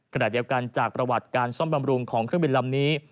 ขณะเดียวกันจากประวัติการซ่อมบำรุงของเครื่องบินลำนี้